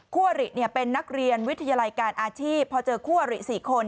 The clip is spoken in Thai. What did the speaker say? คั่วหลิเนี่ยเป็นนักเรียนวิทยาลัยการอาชีพพอเจอคั่วหลิสี่คน